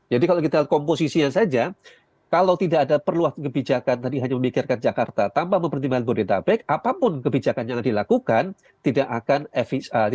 jadi kalau kita komposisinya saja kalau tidak ada perluan kebijakan tadi hanya memikirkan jakarta tanpa mempertimbangkan bonita bek apapun kebijakan yang dilakukan tidak akan efektif mbak minggi